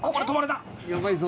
やばいぞ。